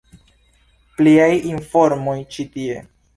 Pliaj informoj ĉi tie.